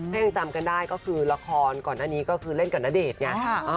ถ้ายังจำกันได้ก็คือละครก่อนหน้านี้ก็คือเล่นกับณเดชน์ไง